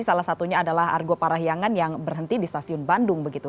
salah satunya adalah argo parahyangan yang berhenti di stasiun bandung begitu